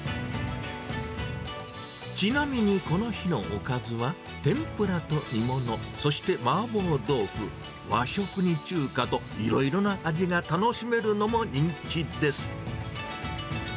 ちなみにこの日のおかずは天ぷらと煮物、そしてマーボー豆腐、和食に中華と、いろいろな味が楽しめるのも人気です。